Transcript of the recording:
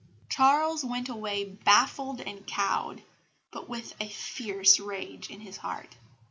Charles went away baffled and cowed, but with a fierce rage in his heart.